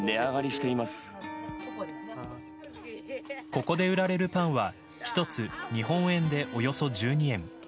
ここで売られるパンは１つ、日本円でおよそ１２円。